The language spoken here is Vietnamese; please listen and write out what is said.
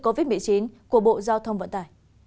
covid một mươi chín của bộ giao thông vận tải